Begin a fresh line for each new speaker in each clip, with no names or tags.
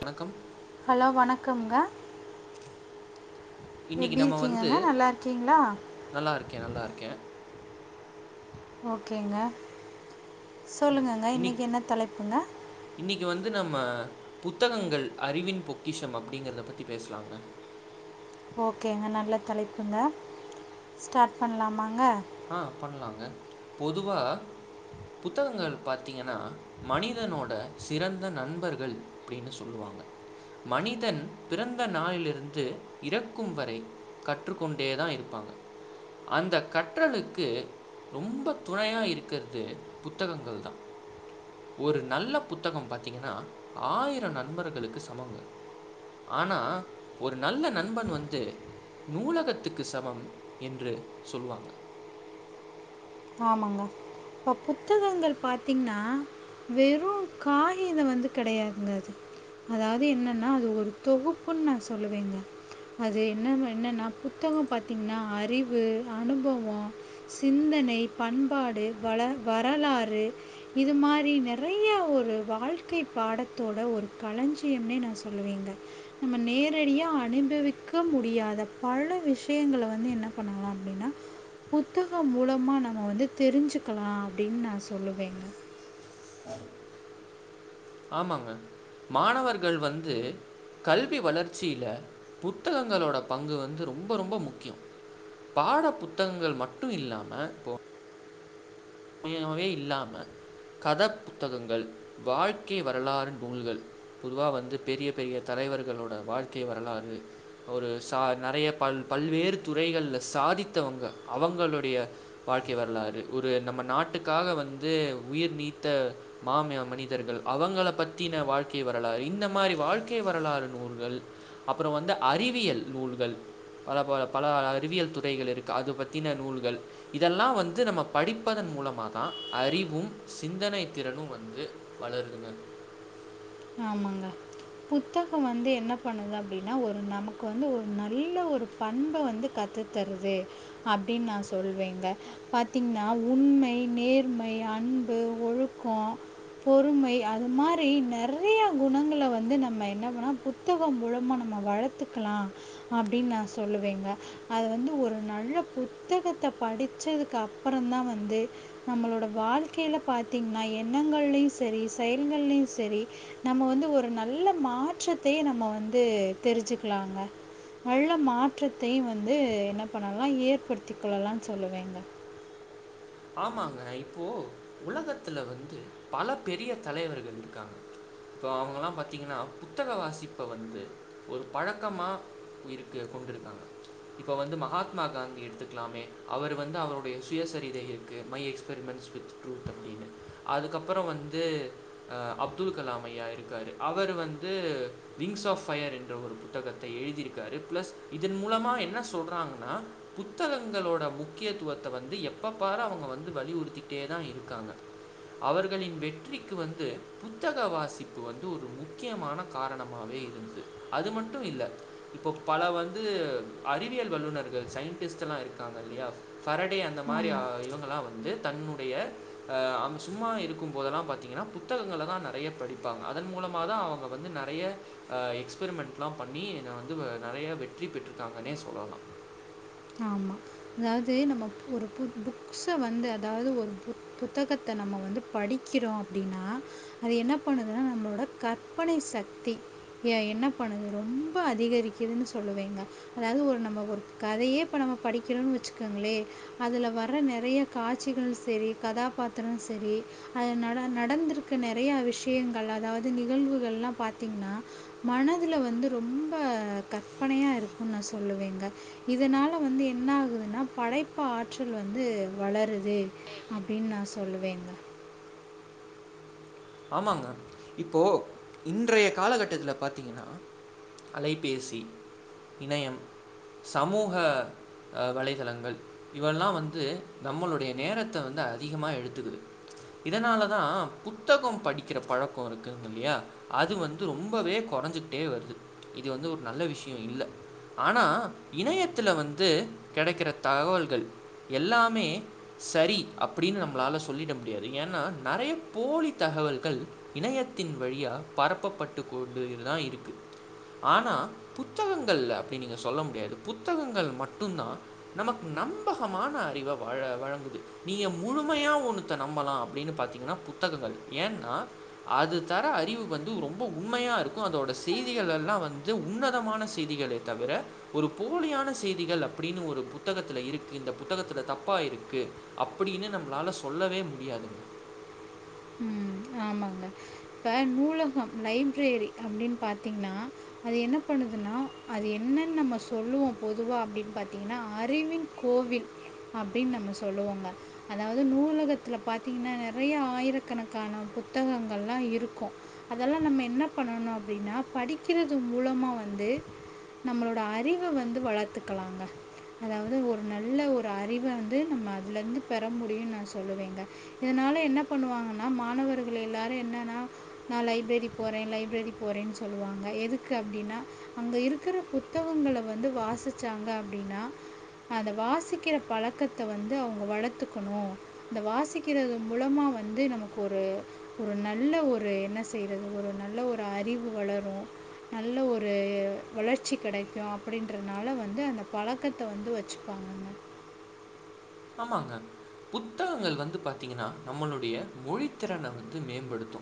வணக்கம்
ஹலோ வணக் கம்ங்க
இன்னைக்கி நம்ம வந்து
நல்லா இருக்கீங்களா
நல்லா இருக்கே நல்லா இருக்கே
ஓகேங்க. சொல்லுங்கங்க இன்னைக்கி என்ன தலைப்புங்க?
கு வந்து நம்ம புத்தகங்கள் அறிவின் பொக்கிஷம் அப்டிங்கறத பத்தி பேசலாங்க.
ஓகேங்க நல்ல தலைப்புங்க. ஸ்டார்ட் பண்லாமாங்க?
ஹா பண்லாங்க பொதுவா புத்தகங்கள் பாத்தீங்கன்னா மனிதனோட சிறந்த நண்பர்கள் அப்டின்னு சொல்லுவாங்க. மனிதன் பிறந்த நாளிலிருந்து இறக்கும் வரை கற்றுக்கொண்டேதா இருப்பாங்க. அந்த கற் கற்றலுக்கு ரொம்ப துணையா இருக்குறது புத்தகங்கள் தா ஒரு நல்ல புத்தகம் பாத்தீங்கன்னா ஆயிர நண்பர்களுக்கு சமங்க ஆனா ஒரு நல்ல நண்பன் வந்து நூலகத்துக்கு சமம் என்று சொல்லுவாங்க
ஆமாங்க இப்ப புத்தகங்கள் பாத்தீங்கின்னா வெறு காகித வந்து கிடையாதுங்க அது அதாவுது என்னன்னா அது ஒரு தொகுப்புன் நா சொல்லுவேங்க அது என்னாவ் என்னன்னா புத்தகோ பாத்தீங்குன்னா அறிவு அனுபவோ சிந்தனை பண்பாடு வள வரலாறு இது மாரி நெறைய ஒரு வாழ்க்கை பாடத்தோட ஒரு களஞ்சியம்னே நா சொல்லுவேங்க நம்ம நேரடியா அனுபவிக்க முடியாத பல விஷயங்கள வந்து என்ன பண்ணலா அப்டின்னா புத்தகோ மூலமா ந ம்ம வந்து தெரிஞ்சுக்கலா அப்டின் நா சொல்லுவேங்க
ஆமாங்க மாணவர்கள் வந்து கல்வி வளர்ச்சியில புத்தகங்களோட பங்கு வந்து ரொம்ப ரொம்ப முக்கியோ பாட புத்தகங்கள் மட்டு இல்லாம போ [unintelligible] இல்லாம கத புத்தகங்கள் வாழ்க்கை வரலாறு நூல்கள் பொதுவா வந்து பெரிய பெரிய தலைவர்களோட வாழ்க்கை வரலாறு ஒரு ச நெறைய பல் பல்வேறு துறைகள்ல சாதித்தவங்க அவுங்களுடைய வாழ்க்கை வரலாறு ஒரு நம்மன் நாட்டுக்காக வந்து உயிர் நீத்த மாமே மனிதர்கள் அவங்க பத்தின வாழ்க்கை வரலாறு இந்த மாரி வாழ்க்கை வரலாறு நூல்கள் அப்பறோ வந்து அறிவியல் நூல்கள் பல ப பல அறிவியல் துறைகள் இருக்கு அது பத்தின நூல்கள் இதெல்லாம் வந்து நம்ம படிப் ப்பதன் மூலமாதா அறிவும் சிந்தனை திறனு வந்து வளருதுங்க
ஆமாங்க புத்தகோ வந்து என்ன பண்ணுது அப்டின்னா ஒரு நமக்கு வந்து ஒரு நல்ல ஒரு பண்ப வந்து கத்து தருது அப்டின் நா சொல்வேங்க பாத்தீங்குன்னா உண்மை நேர்மை அன்பு ஒழுக்கோ பொறுமை அது மாரி நெற் றிய குணங்கள வந்து நம்ம என்னங்குனா புத்தகோ மூலமா நம்ம வளத்துக்கலா அப்டின் நா சொல்லுவேங்க அது வந்து ஒரு நல்ல புத்தகத்த படிச்சதுக்கு அப்புறந்தா வந்து நம்மளோட வாழ்க்கையில பாத்தீங்குன்னா எண்ணங்களிள் சரி செயல்களிள் சரி நம்ம வந்து ஒரு நல்ல மாற்றத்தைய நம்ம வந்து தெரிஞ்சுக்குலாங்க நல்ல மாற்றத்தையு வந்து என்ன பண்ணலாம் ஏற்படுத்திக் கொள்ளலான் சொல்லுவேங்க
ஆமாங்க இப்போ உலகத்துல வந்து பல பெரிய தலைவர்கள் இருக்காங்க இப்போ அவுங்கல்லாம் பாத்தீங்கின்னா புத்தக வாசிப்ப வந்து ஒரு பழக்கமா இப்புருக்கு கொண்டிருக்காங்க இப்ப வந்து மகாத்மா காந்தி எடுத்துக்குலாமே அவரு வந்து அவருடைய சுயசரிகையில் க்கு மை எக்ஸிபிரிமெண்ட்ஸ் வித் ட்ரூத் அப்டினு அதுக்கப்பறோ வந்து ஆ அப்துல் கலாம் ஐயா இருக்காரு அவர் வந்து விங்ஸ் ஆஃப் பயர் என்ற ஒரு புத்தகத்த எழுதிருக்காரு பிளஸ் இதன் மூலமா என்ன சொல்றாங்கன்னா புத்தகங்களோட முக்கியத்துவத்த வந்து எப்ப பாரு அவங் க வந்து வலியுறுத்திட்டேதா இருக்காங்க அவர்களின் வெற்றிக்கு வந்து புத்தக வாசிப்பு வந்து ஒரு முக்கியமான காரணமாவே இருந்தது. அது மட்டும் இல்ல இப்போ பல வந்து அறிவியல் வல்லுநர்கள் சயின்டிஸ்ட் எல்லா இருக்காங்க இல்லயா ஃபாரடே அந்த மாரி ஆ
ஆமாம்
இவங் கல்லா வந்து தன்னுடைய ஆ அவுங்க சும்மா இருக்கும்போதெல்லா பாத்தீங்கன்னா புத்தகங்களதா நெறைய படிப்பாங்க அதன் மூலமாதா அவங்க வந்து நெறைய ஆ எக்ஸ்பிரிமெண்ட்லா பண்ணி நா வந்து நெறைய வெற்றி பெற்றிருக்காங்கன்னே சொல்லலா.
ஆமா அதாவது நம்ம ஒரு பு புக்ஸ வந்து அதாவது ஒரு பு புத்தகத்த நம்ம வந்து படிக்கிறோ அப்டின்னா அது என்ன பண்ணுதுன்னா நம்மளோட கற்பனை சக்தி எ என்ன பண்ணுது ரொம்ப அதிகரிக்குதுன்னு சொல்லுவீங்க அதாவது ஒரு நம்ம ஒரு கதையே இப்ப நம்ம படிக்கிறோன்னு வச்சுக்கோங்களே அதுல வர நெறைய காட்சிகள் சரி கதாபாத்திரோ சரி அது நட நடந்திருக்க நெறையா விஷயங்கள் அதாவது நிகழ்வுகள்லா பாத்தீங்கன்னா மனதுல வந்து ரொம்ப கற்பனையா இருக்குன்னு நா சொல்லுவேங்க இதனால வந்து என்ன ஆகுதுன்னா படைப்பு ஆற்றல் வந்து வளருது அப்டின்னு நான் சொல்லுவேங்க
ஆமாங்க இப்போ இன்றைய காலகட்டத்துல பாத்தீங்கன்னா அலைபேசி இணையம் சமூக ஆ வலைதளங்கள் இவெல்லா வந்து நம்மளுடைய நேரத்த வந்து அதிகமா எடுத்துக்குது இதனாலதா பு த்தகம் படிக்கிற பழக்கோ இருக்குதுங்க இல்லையா அது வந்து ரொம்பவே கொறைஞ்சுக்கிட்டே வருது இது வந்து ஒரு நல்ல விஷயோ இல்ல ஆனா இணையத்துல வந்து கெடைக்கிற தகவல்கள் எல்லாமே சரி அப்படின்னு நம்மளால சொல்லிட முடியாது ஏன்னா நெறைய போலி தகவல்கள் இணையத்தின் வழியா பரப்பப்பட்டு கொண்டுதா இருக்கு ஆனா புத்தகங்கள் அப்டி நீங்க சொல்ல முடியாது புத்தகங்கள் மட்டும்தா நமக்கு நம்பகமான அறிவ வழ வழங்குது நீங்க முழுமையா ஒண்ணுத்த நம்பலா அப்படின்னு பாத்தீங்கன்னா புத்தகங்கள் ஏன்னா அது தர அறிவு வந்து ரொம்ப உண்மையா இருக்கு அதோட செய்திகள் எல்லா வந்து உன்னதமான செய்திகளே தவிர ஒரு போலியான செய்திகள் அப்பிடின்னு ஒரு புத்தகத்துல இருக்கு இந்த புத்தகத்துல தப்பா இருக்கு அப்படின்னு நம்மளால சொல்லவே முடியாதுங்க.
ம் ஆமாங்க இப்ப நூலகம் லைப்ரரி அப்டின்னு பாத்தீங்ன்னா அது என்ன பண்ணுதுன்னா அது என்னன்னு நம்ம சொல்லுவோ பொதுவா அப்டின்னு பாத்தீங்கனா அறிவின் கோவில் அப்டின்னு நம்ம சொல்லுவோங்க அதாவது நூலகத்துல பாத்தீங்கன்னா நெறைய ஆயிரக்கணக்கான பு த்தகங்கள்லா இருக்கு அதெல்லா நம்ம என்ன பண்ணணு அப்டின்னா படிக்கிறது மூலமா வந்து நம்மளோட அறிவ வந்து வளத்துக்கலாங்க அதாவது ஒரு நல்ல ஒரு அறிவ வந்து நம்ம அதுல இருந்து பெற முடியுன்னு நா சொல்லுவேங்க இதனால என்ன பண்ணுவாங்கன்னா மாணவர் கள் எல்லாரு என்னன்னா நா லைப்ரரி போறே லைப்ரரி போறேன்னு சொல்லுவாங்க எதுக்கு அப்டின்னா அங்க இருக்கற புத்தகங்கள வந்து வாசிச்சாங்க அப்டின்னா அந்த வாசிக்கிற பழக்கத்த வந்து அவங்க வளத்துக்கணு அந்த வாசிக்கிறது மூலமா வந்து நமக்கு ஒரு ஒரு நல்ல ஒரு என்ன செய்யறது ஒரு நல்ல ஒரு அறிவு வளரு நல்ல ஒரு வளர்ச்சி கெடைக்கு அப்படின்றனால வந்து அந்த பழக்கத்த வந்து வச்சுப்பாங்கங்க.
ஆமாங்க புத்தகங்கள் வந்து பாத்தீங்கன்னா நம்மளுடைய மொழி திறன வந்து மேம்படுத்து.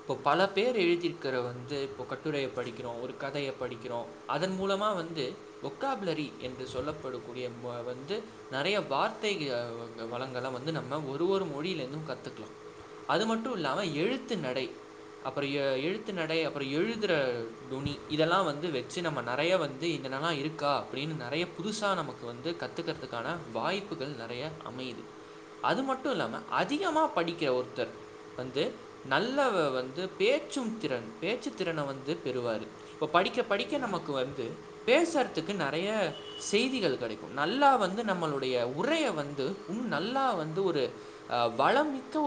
இப்போ பல பேர் எழுதிருக்கிற வந்து இப்போ கட்டுரைய படிக்கிறோ ஒரு கதைய படிக்கிறோ அதன் மூலமா வந்து ஒகாபலரி என்று சொல்லப்படக்கூடிய ம வந்து நெறைய வார்த்தை அ ங்க வளங்கள வந்து நம்ம ஒரு ஒரு மொழியிலருந்து கத்துக்கலா. அது மட்டு இல்லாம எழுத்துநடை அப்ற ஆ எழுத்துநடை அப்பற எழுதுற தொணி இதெல்லா வந்து வெச்சு நம்ம நெறைய வந்து இதனல்லா இருக்கா அப்டின்னு நெறைய புதுசா நமக்கு வந்து கத்துக்கறதுக்கான வாய்ப்புகள் நெறைய அமையுது அது மட்டு இல்லாம அதிகமா படிக்கிற ஒருத்தர் வந்து நல்ல வ வந்து பேச்சும் திறன் பேச்சு திறன வந்து பெறுவாரு இப்ப படிக்க படிக்க நமக்கு வந்து பேசுறதுக்கு நெறைய செய்திகள் கெடைக்கு நல்லா வந்து நம்மளோ டைய உரைய வந்து உன்னு நல்லா வந்து ஒரு ஆ வளமிக்க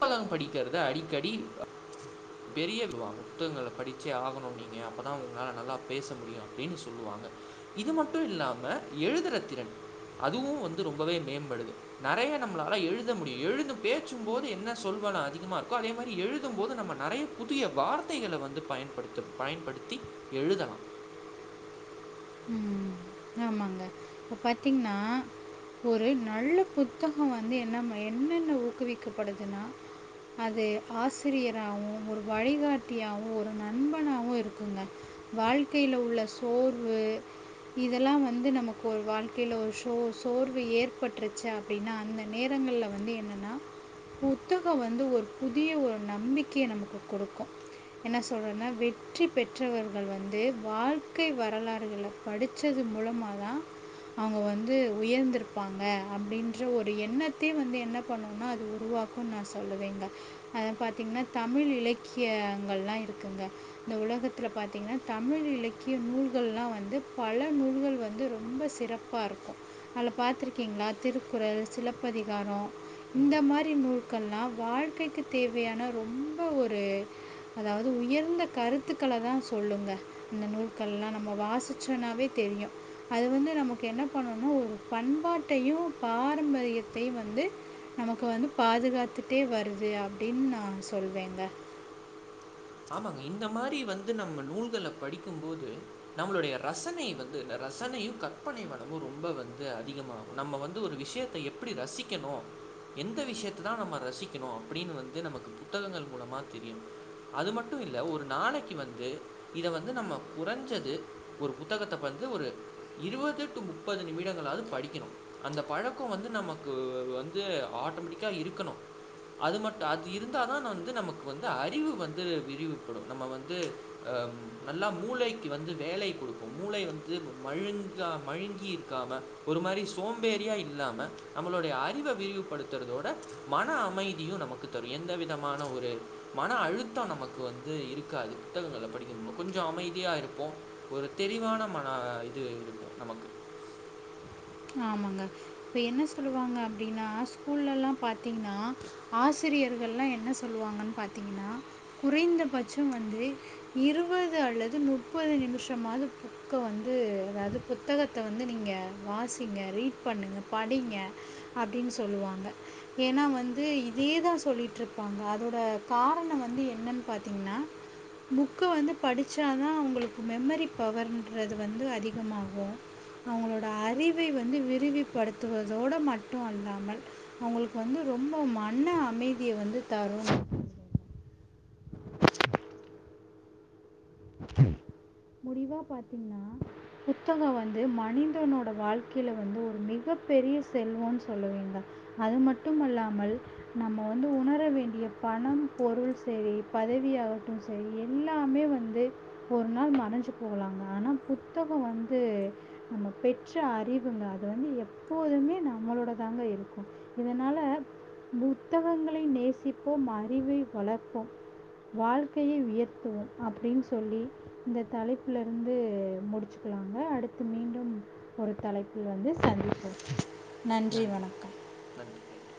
[unintelligible] படிக்கிறத அடிக்கடி பெரிய சொல்லுவாங்க புத்தகங்கள படிச்சே ஆகணு நீங்க அப்பதா உங்களால நல்லா பேச முடியு அப்டின்னு சொல்லுவாங்க இது மட்டு இல்லாம எழுதுற திறன் அதுவு வந்து ரொம்பவே மேம்படுது நெறைய நம்மளால எழுத முடியு எழுது பேச்சும்போது என்ன சொல் வளோ அதிகமா இருக்கோ அதே மாரி எழுதும் போது நம்ம நெறைய புதிய வார்த்தைகளை வந்து பயன்படுத்த பயன்படுத்தி எழுதலா
உம் ஆமாங்க இப்ப பாத்தீங்னா ஒரு நல்ல புத்தக வந்து என்ன என்னென்ன ஊக்குவிக்கப்படுதுன்னா அது ஆசிரியராவு ஒரு வழிகாட்டியாவு ஒரு நண்பனாவு இருக்குங்க வாழ்க்கைல உள்ள சோர் வலு இதெல்லா வந்து நமக்கு ஒரு வாழ்க்கைல ஒரு சோ சோர்வு ஏற்பட்ருச்சு அப்டின்னா அந்த நேரங்கள்ல வந்து என்னன்னா புத்தக வந்து ஒரு புதிய ஒரு நம்பிக்கைய நமக்கு கொடுக்கு என்ன சொல்றன்னா வெற்றி பெற்றவர்கள் வந்து வாழ்க்கை வ ரலாறுகள படிச்சது மூலமா தா அவுங்க வந்து உயர்ந்துருப்பாங்க அப்டின்ற ஒரு எண்ணத்தயு வந்து என்ன பண்ணுன்னா அது உருவாக்குன் நா சொல்லுவேங்க அத பாத்தீங்னா தமிழ் இலக்கியங்கள்லா இருக்குங்க இந்த உலகத்துல பாத்தீங்னா தமிழ் இலக்கிய நூல் கள்லா வந்து பல நூல்கள் வந்து ரொம்ப சிறப்பா இருக்கு அதில பாத்துருக்கீங்ளா திருக்குறள் சிலப்பதிகாரொ
ம்.
இந்த மாரி நூல்கள்லா வாழ்க்கைக்கு தேவையான ரொம்ப ஒரு அதாவது உயர்ந்த கருத்துக்கள தா சொல்லுங்க இந்த நூல்கள்லா நம் ம வாசுச்சோனாவே தெரியு அது வந்து நமக்கு என்ன பண்ணுன்னா ஒரு பண்பாட்டையு பாரம்பரியத்தையு வந்து நமக்கு வந்து பாதுகாத்துட்டே வருது அப்டினு நா சொல்வேங்க
ஆமாங்க இந்த மாரி வந்து நம்ம நூல்கள படிக்கும்போது நம்மளுடைய ரசனை வந்து இந்த ரசனையு கற்பனை வளமு ரொம்ப வந்து அதிகமாகு நம்ம வந்து ஒரு விஷ்யத்த எப்பிடி ரசிக்கணு எந்த விஷ்யத்த தா நம்ம ரசிக்கணு அப்புடின்னு வந்து நமக்கு புத்தகங்கள் மூலமா தெரியு அது மட்டு இல்ல ஒரு நாளைக்கு வந்து இத வந்து நம்ம குறஞ்சது ஒரு புத்தகத்த வந்து ஒரு இருவது டு முப்பது நிமிடங்களாது படிக்கணு அந்த பழக்கொ வந்து நமக்கு வந்து ஆட்டோமெட்டிக்கா இருக்கணு அது மட்டு அது இருந்தா தா வந்து நமக்கு வந்து அறிவு வந் து விரிவுபடு நம்ம வந்து நல்லா மூளைக்கு வந்து வேலை குடுப்போம் மூளை வந்து மழுங்க மழுங்கி இருக்காம ஒரு மாரி சோம்பேறியா இல்லாம நம்மளுடைய அறிவ விரிவுபடுத்துறதோட மன அமைதியு நமக்கு தரு எந்த விதமான ஒரு மன அழு த்தொ நமக்கு வந்து இருக்காது புத்தகங்கள படிக்கனுமோ கொஞ்ச அமைதியா இருப்போ ஒரு தெளிவான மன இது இருக்கு நமக்கு
ஆமாங்க இப்ப என்ன சொல்லுவாங்க அப்டின்னா ஸ்கூல்லல்லா பாத்தீங்கனா ஆசிரியர்ள்லா என்ன சொல்வாங்கன் பாத்திங்கனா குறைந்த பச்சம் வந்து இருவது அல்லது முப்பது நிமிஷமாது புக்க வந்து அதாது புத்தகத்த வந்து நீங்க வாசி சிங்க ரீட் பண்ணுங்க படிங்க அப்டின் சொல்லுவாங்க ஏன்னா வந்து இதேதா சொல்லிட்ருப்பாங்க அதோட காரண வந்து என்னன் பாத்திங்னா புக்க வந்து படுச்சாதா அவுங்களுக்கு மெமரி பவருன்றது வந்து அதிகமாகு அவுங்களோட அறி வி வந்து விரிவிப்படுத்துவதோட மட்டு அல்லாமல் அவுங்களுக்கு வந்து ரொம்ப மன அமைதிய வந்து தரு முடிவா பாத்தீங்னா புத்தக வந்து மனிதனோட வாழ்க்கைல வந்து ஒரு மிக பெரிய செல்வொன் சொல்லுவேங்க அது மட்டுமல்லாமல் நம்ம வந்து உணர வேண்டிய பணம் பொருள் செரி பதவியாகட்டு செரி எல்லாமே வந்து ஒரு நாள் மறஞ்சு போகலாங்க ஆனா புத்தக வந்து நம்ம பெற்ற அறிவுங்க அது வந்து எப்போதுமே நம்மளோட தாங்க இருக்கு இதனால புத்தகங்களை நேசிப்போம் அறிவை வளர்ப்போம் வாழ்க்கையை உயர்த்துவோம் அப்டின் சொல்லி இந்த தலைப்புலருந்து முடிச்சுக்கலாங்க அடுத்து மீண்டும் ஒரு தலைப்பில் வந்து சந்திப்போம்
நன்றி நன்றி நன்றி